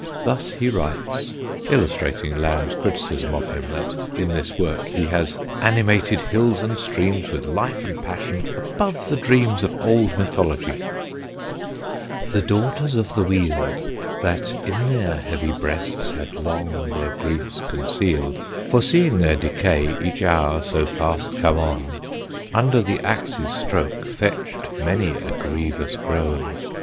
Thus he writes, illustrating Lamb's criticism of him that in this work he "has animated hills and streams with life and passion above the dreams of old mythology": The daughters of the Weald (That in their heavy breasts had long their griefs concealed), Foreseeing their decay each hour so fast come on, Under the axe's stroke, fetched many a grievous groan.